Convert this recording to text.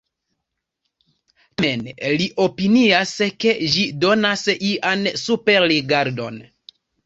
Tamen li opinias ke ĝi donas ian superrigardon.